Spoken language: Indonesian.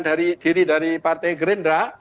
dari diri dari partai gerindra